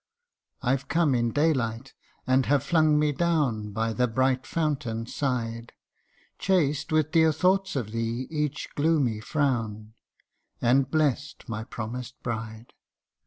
I've come in daylight, and have flung me down By the bright fountain's side, Chased with dear thoughts of thee each gloomy frown, And bless'd my promised bride.